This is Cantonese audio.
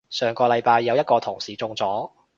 上個禮拜有一個同事中咗